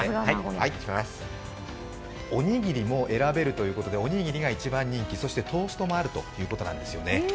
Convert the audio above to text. おにぎりも選べるということでおにぎりが一番人気、そしてトーストもあるということなんですよね。